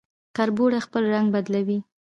کربوړی خپل رنګ بدلوي